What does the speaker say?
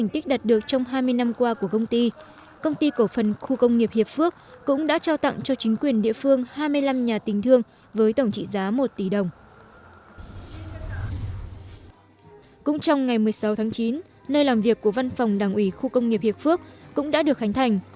cũng trong ngày một mươi sáu tháng chín nơi làm việc của văn phòng đảng ủy khu công nghiệp hiệp phước cũng đã được khánh thành